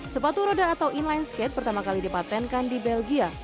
sepatu roda atau inline skate pertama kali dipatenkan di belgia